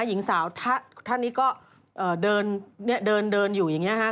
หญิงสาวท่านนี้ก็เดินเดินอยู่อย่างนี้ฮะ